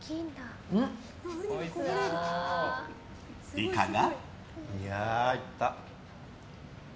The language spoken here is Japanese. いかが？